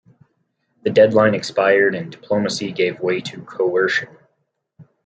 The deadline expired, and diplomacy gave way to coercion.